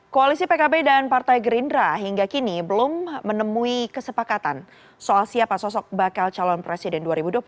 koalisi pkb dan partai gerindra hingga kini belum menemui kesepakatan soal siapa sosok bakal calon presiden dua ribu dua puluh empat